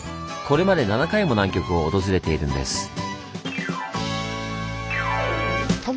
これまで７回も南極を訪れているんです。